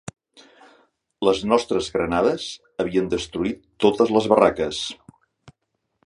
Les nostres granades havien destruït totes les barraques